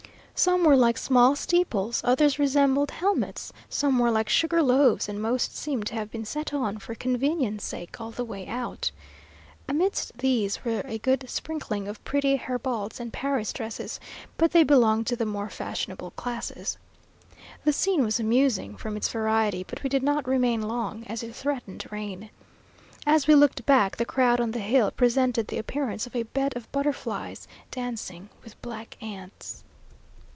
Some were like small steeples, others resembled helmets, some were like sugar loaves, and most seemed to have been set on, for convenience sake, all the way out. Amidst these there was a good sprinkling of pretty Herbaults and Paris dresses, but they belonged to the more fashionable classes. The scene was amusing from its variety, but we did not remain long, as it threatened rain. As we looked back, the crowd on the hill presented the appearance of a bed of butterflies dancing with black ants.